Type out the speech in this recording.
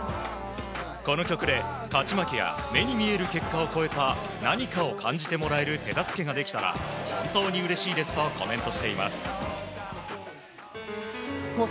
この曲で勝ち負けや目に見える結果を超えた何かを感じてもらえる手助けができたら本当にうれしいですとプシューッ！